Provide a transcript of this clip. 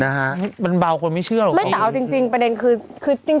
นะฮะมันเบาคนไม่เชื่อหรอกไม่แต่เอาจริงจริงประเด็นคือคือจริง